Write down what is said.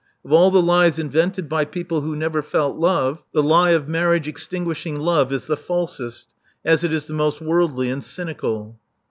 Of all the lies invented by people who never felt love, the lie of marriage extinguishing love is the falsest, as it is the most worldly and cynical."